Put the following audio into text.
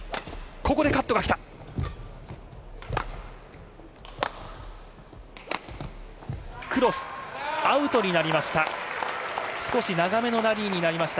ここでカットが来た。